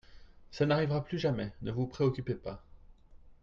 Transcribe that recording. Ça n'arrivera plus jamais. Ne vous préoccupez pas.